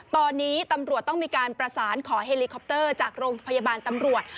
ตอนนี้ตำรวจต้องมีการประสานขอเฮลิคอปเตอร์จากโรงพยาบาลตำรวจ